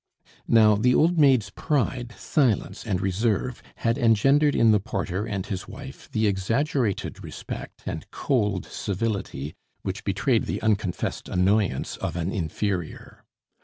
Now, the old maid's pride, silence, and reserve had engendered in the porter and his wife the exaggerated respect and cold civility which betray the unconfessed annoyance of an inferior.